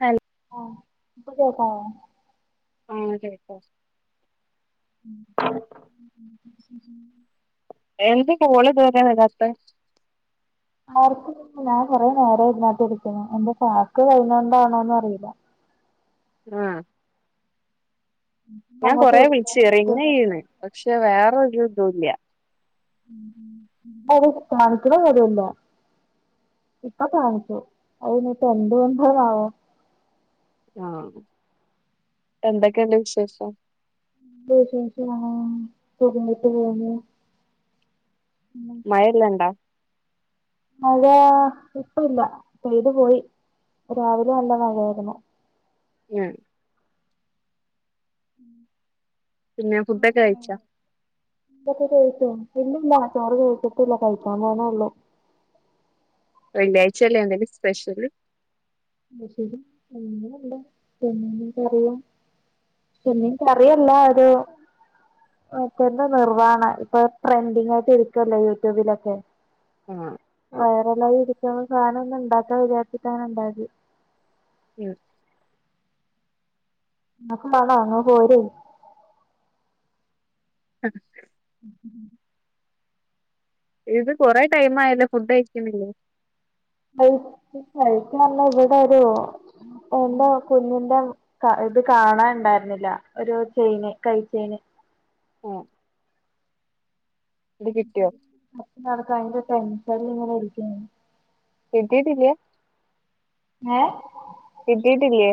നൽ ആഹ ഇപ്പാ കേക്കാവോ ആ അതെ ഉം എന്ത് ഒളി ഇതുവരെ വരത്തെ ആർക്ക ഞാൻ കൊറെേ നേരം ഇതിനകത്ത് എടക്കുന്നു എന്റെ ടാസ്ക് കഴിഞ്ഞ കൊണ്ടാണോന്ന് അറിയില്ല ആഹ് ഞാൻ അങ്ങോട്ട് കൊറെ വിളിച്ചു വിളിക്കാനും റിങ് പറ്റില്ല ചെയന്ന് പക്ഷെ വേറെരു ഇതുല്ല [unintelligible] ഇപ്പൊ കാണിച്ചു അത് നി ഇപ്പ എന്തുകൊണ്ടാവോ ആഹ് എന്തൊക്കെയണ്ട് വിശേഷം [unintelligible] മഴ ഇല്ലാണ്ടാ മഴ ഇപ്പല്ല പെയ്തു പോയി രാവിലെ നല്ല മഴയായിരുന്നു ഉം ഉമ് പിന്നെ ഫുഡൊക്കെ കഴിച്ചോ ചോറൊക്കായോ [unintelligible] ഇല്ലില്ല ചോറ് കയിച്ചിട്ടില്ല കയിക്കാൻ പോണോള്ളൂ വെള്ളിയാഴ്ച അല്ല എന്തേലും സ്പെഷ്യൽ അയ് ശരി ഉമ് ചെമ്മീ കറിയും ചെമ്മീൻ കറിയല്ല ഒരു [unintelligible] നിർവവാഹണ ഇപ്പൊ ട്രെൻഡിങ് ആയിട്ട് ഇരിക്കല്ലോ യൂട്യൂബിലൊക്കെ ആഹ് വയറലായി ഇരിക്ക്ണ സാനം ഒന്ന്ണ്ടാക്ക വിചാരിച്ട്ടാണ് ഇണ്ടാക്കി ഉം നിങ്ങക്ക് മാണോ നിങ്ങൾ പോര് [inaudible] [inaudible] ഇത് കൊറെ ടൈം ആയല്ലേ ഫുഡ് കഴിക്കുന്നില്ലേ? കഴിക്കല്ല ഇവിടെ ഒരു എന്റെ കുഞ്ഞിന്റെ ക ഇത് കാണാൻ ഉണ്ടായിരുന്നില്ല ഒരു ചെയിന് കൈച്ചെയിന് ഉം അതിന്റെ ടെൻഷൻ ഇങ്ങനെ ഇരിക്കാണ് കിട്ടീട്ടില്ല ഏ കിട്ടിയിട്ടില്ലേ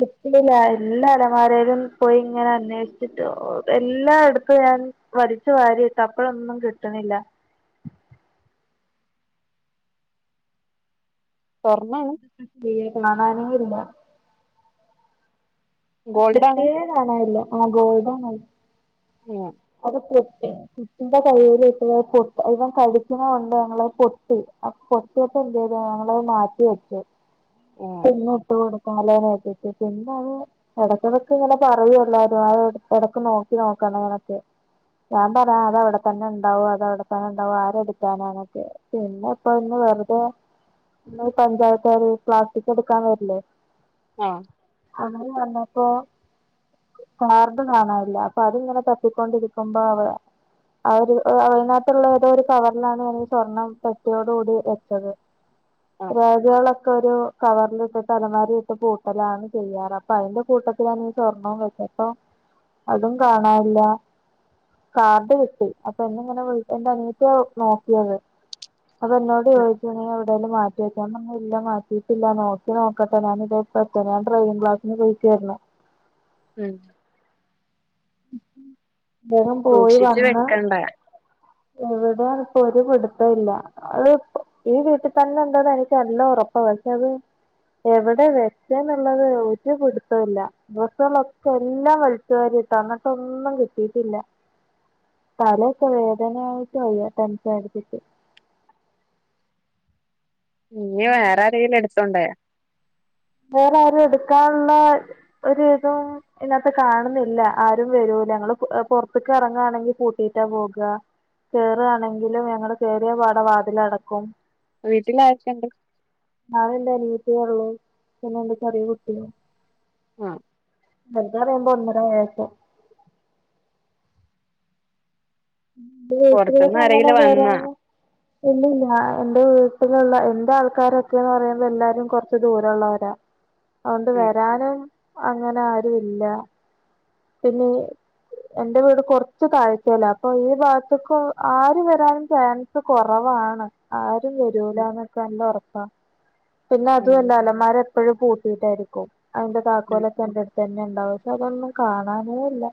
കിട്ടന്നില്ല എല്ലാ അലമാരയിലും പോയി ഇങ്ങനെ അന്വേഷിച്ചിട്ട് എല്ലായിടത്തും ഞാൻ വരിച്ചു വാരിട്ട അപ്പഴൊന്നും കിട്ടുന്നില്ല സ്വർണന്ന് [unintelligible] കാണാനേയില്ല ആ ഗോൾഡാണ് പ്രത്യേക കാണല്ലോ ആ ഗോൾഡ് ആണല്ലോ ഏഹ് അത് പൊട്ടി കുട്ടിന്റെ കയ്യിൽ [unintelligible] കൊണ്ട് ഞങ്ങ പൊട്ടി പൊട്ടിയപ്പം എന്ത് ചെയ്തു ഞങ്ങളത് മാറ്റി വെച്ചു ആഹ് പിന്നിട്ടു കൊടുക്കാല്ലെന്നു വെച്ചിട്ട് പിന്നെ അത് ഇടയ്ക്കെടെക് ഇങ്ങനെ പറയൂല്ലാരും അത് ഇടക്ക് ഇടക്ക് നോക്കി നോക്കണേനൊക്കെ ഞാൻ പറയും അതവിടെത്തന്നെ ഉണ്ടാവും അതവിടെത്തന്നെ ഉണ്ടാവും ആരെടുക്കാനാന്നൊക്കെ പിന്നെ ഇപ്പ ഇന്ന് വെറുതെ ഇന്നീ പഞ്ചായത്ത്കാര് പ്ലാസ് റ്റിക്കെടുക്കാൻ വരില്ലേ? ആഹ് അവര് വന്നപ്പോ കാർഡ് കാണാനില്ല അപ്പൊ അതിങ്ങനെ തപ്പിക്കൊണ്ടിരിക്കുമ്പോ അവ അവരു അതിനാത്തുള്ള ഏതോ ഒരു കവറിലാണ് ഞങ്ങളീ സ്വർണ്ണം പെട്ടിയോടു കൂടി വെച്ചത് [inaudible] രേഖകളൊക്കെ ഒരു കവറിലിട്ടിട്ട് അലമാരി ഇട്ട് പൂട്ടലാണ് ചെയ്യാറ് അപ്പൊ അയിന്റെ കൂട്ടത്തിലാണ് ഈ സ്വർണ്ണവും വെച്ചപ്പോ അതും കാണാനില്ലാ കാർഡ് കിട്ടി അപ്പൊ ഇന്നിങ്ങനെ വി എന്റെ അനിയത്തിയാ നോക്കിയത് അത് എന്നോട് ഉം ചോയിച്ചു നീ എവിടേലും മാറ്റി വെച്ചൊന്ന് ഞാൻ പറഞ്ഞു ഇല്ല മാറ്റി ഇല്ല നോക്കി നോക്കട്ടെ ഞാന ഇതേ പ്പോ എത്തും ഞാൻ ഡ്രൈവിംഗ് ക്ലാസിന് പോയിക്കായിരുന്നു മഹ് അദ്ദേഹം പോയി സൂക്ഷിച്ച് വന്ന് വെക്കണ്ടേ എവിടെയാന്ന് പ്പൊ ഒരു പിടുത്തോല്ല അത് ഈ വീട്ടിൽ തന്നെ ഉണ്ടന്ന് എനിക്ക് നല്ല ഉറപ്പാ പക്ഷെ അത്, എവിടെ വെച്ചെന്നുള്ളത് ഒരു പിടിത്തവുമില്ല ഡ്രസ്സുകളൊക്കെ എല്ലാം വലിച്ച് വാരി ഇട്ട് എന്നിട്ടൊന്നും കിട്ടിട്ടില്ല തലയൊക്കെ വേദനായിട്ട് വെയ്യ ടെൻഷനടിച്ചിട്ട്. ഇനി വേറെ ആരേലും എടുത്തോണ്ടായ? വേറെ ആരും എടുക്കാള്ള ഒരു ഇതും, അയിനകത്ത് കാണുന്നില്ല ആരും വരൂല ങ്ങള് പൊ പൊറത്തേക്ക് ഇറങ്ങുകയാണെങ്കി പൂട്ടിട്ടാ പോകാ കേറുവാണെങ്കിലും ഞങ്ങള് കേറിയ പാട വാതിലടക്കും വീട്ടിലാരൊക്കണ്ട്? ഞാനും എന്റെ അനിയത്തിയെ ള്ളൂ പിന്നെ എന്റെ ചെറിയ കുട്ടിയും ആഹ് ഫെബ്രുവരി ആവുമ്പോ ഒന്നര വയസ്സ് എന്റെ പൊറത്തുന്ന് വീട്ടിലേക്ക് അങ്ങനെ ആരേലും വന്നാ? വരാന് ഇല്ലില്ല എന്റെ വീട്ടിലുള്ള എന്റെ ആൾക്കാരൊക്കെയന്ന് പറയുമ്പോൾ എല്ലാരും കുറച്ച് ദൂരള്ളോരാ [inaudible] അതൊണ്ട് ഉം വരാനും അങ്ങനെ ആരുല്ല പിന്നെ എന്റെ വീട് കൊറച്ച് താഴ്ചയില അപ്പൊ ഈ ഭാഗത്ത്ക്ക് ആര് വരാനും ചാൻസ് കൊറവാണ് ആരും വരൂല ഉം ന്നൊക്കെ നല്ല ഉറപ്പാ പിന്നെ ഉം അതുല്ല അലമാര എപ്പോഴും പൂട്ടീയിട്ടായിരിക്കും അതിന്റെ ഉം താക്കോലൊക്കെ എന്റെടു തന്നെ ണ്ടാവും ശെ തൊന്നും കാണാനേല്ല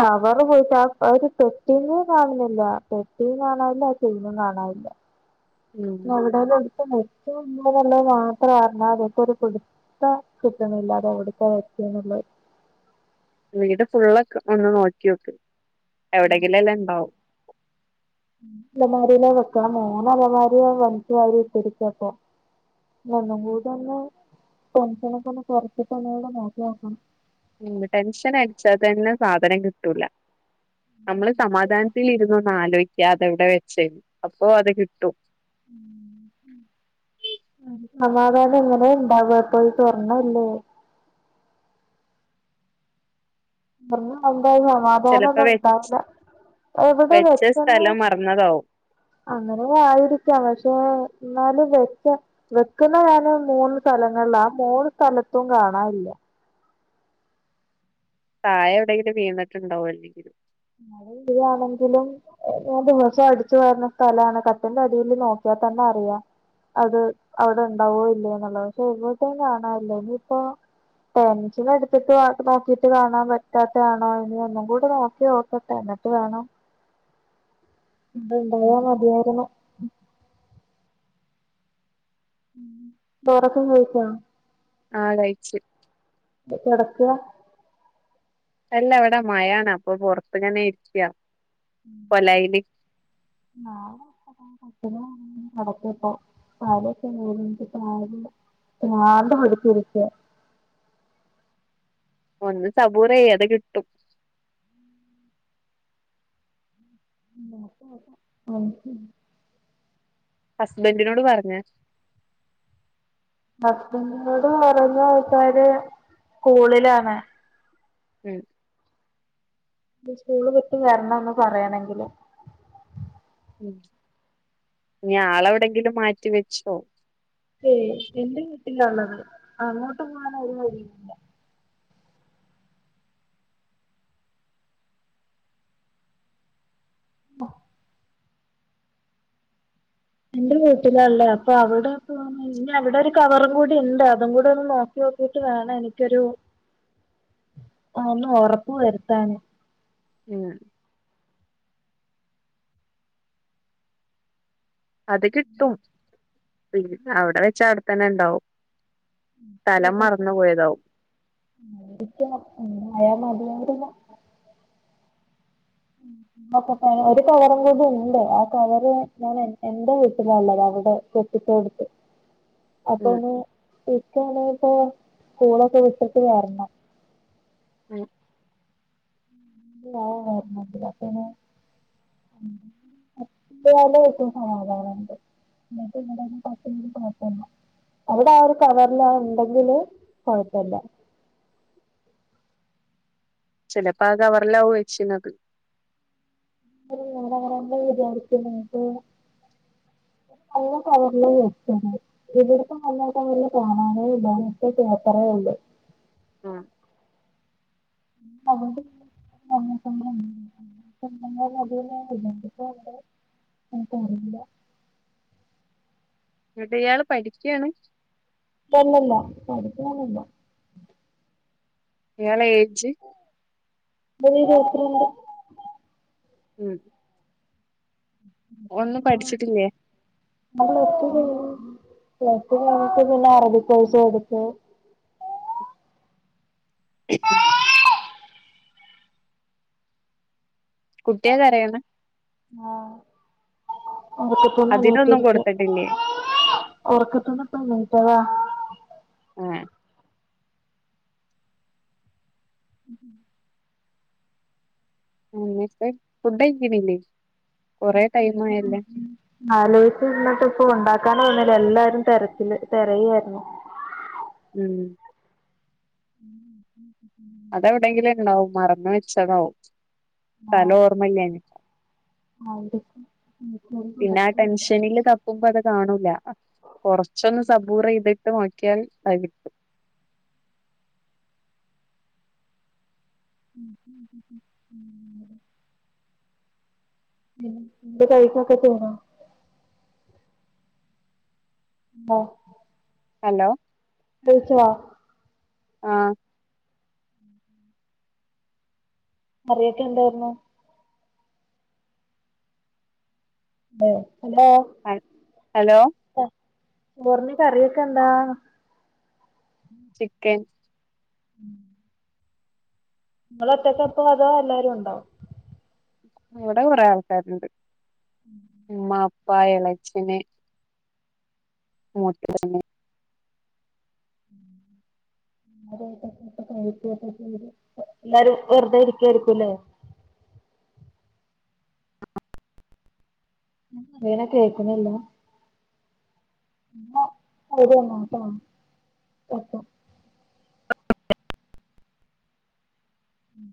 കവറ് പോയിട്ട് ആ ആ ഒരു പെട്ടി ന്നെ കാണുന്നില്ല പെട്ടീം കാണാനില്ല ഒരു ചെയിനും കാണാനില്ല ഉം എവിടേലും എടുത്ത് വെച്ചോന്നള്ളത് മാത്ര അറിഞ്ഞ മതി ഇക്ക് ഒരു പിടു ട്ട കിട്ട്ണില്ലാ അത് എവിട്ക്കാ വെച്ചേ ന്ന്ള്ളത് വീട് ഫുള്ളൊക്കെ ഒന്ന് നോക്കി നോക്ക് എവിടെങ്കിലും ല്ലാം ണ്ടാവും ലെ അലമാരില വെക്ക മൂന്ന് അലമാരിയും വലിച്ച് വാരി ഇട്ടിരിക്കപ്പൊ നി ഒന്നും ഉം കൂടി ഒന്ന് ടെൻഷനൊക്കെ ഒന്ന് കൊറച്ചിട്ട് ഒന്നൂടെ നോക്കിയൊക്കണം ഉം ടെൻഷൻ അടിച്ചാ തന്നെ സാധനം കിട്ടൂല നമ്മള് സമാധാനത്തിൽ ഇരുന്ന ന്നാലോയിക്ക അതവിടെയ വെച്ചെന്ന് അപ്പോ അത് കിട്ടും [inaudible] സമാധാനം എങ്ങന ഇണ്ടാവ ഇപ്പൊ ഈ സ്വർണം അല്ലെ [unintelligible] ചെലപ്പോ മോനൊന്നും വെ ഇണ്ടാവൂല എവടെ വെച്ച വെച്ചെന്ന് സ്ഥലം മറന്നതാവും അന്നേരം ആയിരിക്കാം പശെ എന്നാലും വെച്ച വെക്കുന്ന വേറെ മൂന്ന് സ്ഥലങ്ങളിലാ ആ മൂന്ന് സ്ഥലത്തും കാണാല്ല്യാ തായേ എവടെങ്കിലും വീണട്ടിണ്ടുടാവും അല്ലെങ്കിലും താഴെ വീഴാണെങ്കിലും ഞാൻ ദിവസോം അടിചുവാരണ സ്ഥലാണ് കട്ടിലിന്റെ അടിയില് നോക്കിയ തന്നെ അറിയ അത് അവടെ ഇണ്ടാവോ ഇല്ലേന്നോള്ളത് പശെ എവടെ കാണാനില്ലാ ഇനിയിപ്പോ ടെൻഷൻ അടിച്ചിട്ട് മാത്ര നോക്കിട്ട് കാണാപറ്റാതെയാണോ ഇനി ഒന്നുകൂടി നോക്കി നോക്ക [unintelligible] വേണം ഇവിടെ ഇണ്ടായ ഉം മതിയാരുന്നു ചോറക്ക കയിച്ചോ ആഹ് കയിച്ച് വടെ കെടക്കാ അല്ലാ ഇവടെ മയാണ് അപ്പൊ പൊറത്ത് ഇങ്ങനെ നിക്ക കോലയില് ആഹ് [unintelligible] ഭ്രാന്ത്‌ പിടിച്ച് ഇരിക്ക്യാ ഒന്ന് സബൂറയ്യ്യാ അത് കിട്ടും [unintelligible] ഉം ഹസ്ബൻ്റിനോട് പറഞ്ഞാ ഹസ്ബൻ്റിനോട് പറഞ്ഞാ ആൾക്കാര് സ്കൂളിലാണ് ഉം നി സ്കൂള് വിട്ട് വെരണം ഒന്ന് പറയണെങ്കില് ഉം ഇനി ആള് എവടെങ്കിലും മാറ്റി വെച്ചോ യെ എന്റെ വീട്ടിലാ ഒള്ളത് അങ്ങോട്ട് പോൻ ഒര് വഴിയും ഇല്ലാ [unintelligible] എന്റെ വീട്ടിലാള്ളെ അപ്പൊ അവടെ പോ ഇനി അവടെ ഒരു കവറും കൂടി ഇണ്ട് അതും കൂടി ഒന്ന് നോക്കി നോക്കിട്ട് വേണം എനിക്കൊരു ആ ഒന്ന് ഒറപ്പ് വരുത്താന് ഉം അത് കിട്ടും പിന്നെ അവടെ വെച്ചാ അവടെ തന്നെ ഇണ്ടാവും സ്ഥലം മറന്ന് പോയതാവും [unintelligible] [inaudible] നോക്കട്ടെ ഒര് കവറും കൂടി ഇണ്ട് ആ കവറ് ഞാന് എൻ എന്റെ വീട്ടിലാ ഒള്ളത് അവടെ ക് [unintelligible] [inaudible] അപ്പൊ ഒന്ന് ഇക്ക ആണെപ്പോ സ്കൂളക്ക വിട്ടട്ട് വെരണം ഉം ആഹ് മേത്താത്തില്ല് അങ്ങനെ [unintelligible] സമാധാനോണ്ട് [unintelligible] അവടെ ആ ഒരു കവറില് അത് ഒണ്ടാങ്കില് കൊഴപ്പല്ലാ ചിലപ്പോ ആ കവറിലാവും വെച്ചിണാത് [unintelligible] അല്ലാ കവറില്ല് [unintelligible] [unintelligible] കാണാനോ ഇല്ല [unintelligible] പേപ്പറേ ഒള്ളൂ ഉം [unintelligible] ഉം [unintelligible] എനിക്ക് അറിയില്ല എന്നിട്ട് ഇയാള് പഠിക്കയാണ് ഹല്ലല്ല പഠിക്കാനനുല്ലോ ഇയാളെ ഏജ് ഇരുമ്പത്തി രണ്ട് ഉം ഒന്നും പഠിച്ചിട്ടില്ലേ ഞാൻ പ്ലാസ്റ്റു ക്ലിയർ പ്ലാസ്റ്റു കഴിഞ്ഞിട്ട് പിന്നെ അറബികോയ്‌സ് പഠിച്ചു [unintelligible] കുട്ടിയകരയുന്ന ആഹ ഓർക്കത്ത്ന്ന് അതിനൊന്നും എണീറ്റിരിക്ക കൊടുത്തിട്ടില്ലേ ഒക്കത്ത്ന്ന് പോ നിറ്റതാ ഹെ എന്നിട്ട് ഫുഡ്ഴിക്കണില്ലേ കൊറെ ടൈം ആയല്ലേ ആലോചിച് ഇറിണപ്പാ ഇപ്പ ഉണ്ടാക്കൻ നിന്നില്ല എല്ലാരും തിരച്ചില് തിരയായിരുന്നു ഉം [inaudible] അതെ ആയിരം പിന്നെ ആ ടെൻഷനില് തപ്പുമ്പോ അത് കാണൂല കൊറച്ചൊന്ന് സപൂർചെയ്‌ത് നോക്കിയാൻ ആയിരിക്കും [unintelligible] മ് എന്റെ കഴിക്കൊക്കെ ചെയോണോ ആഹ ഹലോ കഴിച്ചേ ആഹ [inaudible] അറിയൊക്കെ എന്താ പറന്നു ഹെ ഹലോ ഹലോ ചോറിന് കറികിയൊക്കെ എന്ത ചിക്കൻ [inaudible] നമ്മൾ ഒറ്റക്കപ്പ അതോ എല്ലാരും ഉണ്ട ഇവിടെ കുറെ ആൾക്കാരുണ്ട് ഉമ്മ ഇപ്പ എളച്ചന് മുത്തച്ഛൻ ആരട്ടക്കെ [unintelligible] എല്ലാരും വെറുതെ ഇരിക്കായിരിക്കുംല്ലേ [unintelligible] കേക്നില്ല [unintelligible] ഉം